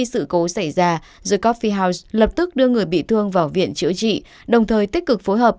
sự cố xảy ra jecophie house lập tức đưa người bị thương vào viện chữa trị đồng thời tích cực phối hợp